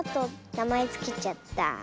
なまえつけちゃった。